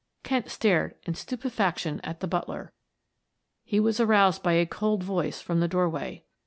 Kent stared in stupefaction at the butler. He was aroused by a cold voice from the doorway.